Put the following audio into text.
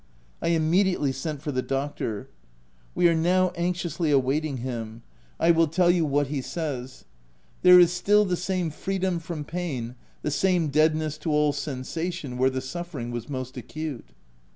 — I immediately sent for the doctor. We are now anxiously awaiting him : I will tell you what m 2 244 THE TENANT he says. There is still the same freedom from pain — the same deadness to all sensation where the suffering was most acute.